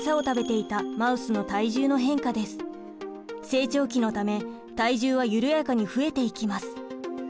成長期のため体重は緩やかに増えていきます。